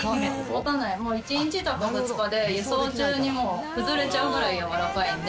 もう１日とか２日で輸送中に崩れちゃうぐらいやわらかいので。